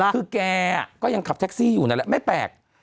คือแกก็ยังขับแท็กซี่อยู่นั่นแหละไม่แปลก